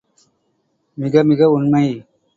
மிக மிக உண்மை!